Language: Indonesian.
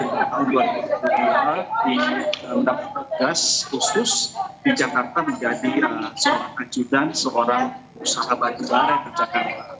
menjadi bekas di jakarta menjadi seorang anjudan seorang sahabat juara yang berjakarta